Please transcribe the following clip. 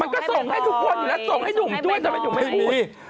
ก็ส่งให้ทุกคนอยู่แล้วส่งให้หนุ่มด้วยทำไมหนุ่มไม่พูด